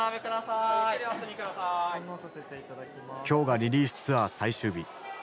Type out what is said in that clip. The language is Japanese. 今日がリリースツアー最終日。